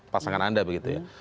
pasangan anda begitu ya